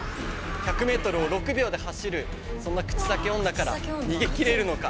１００メートルを６秒で走る口裂け女から逃げ切れるのか！？